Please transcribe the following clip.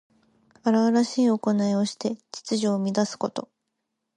荒々しいおこないをして秩序を乱すこと。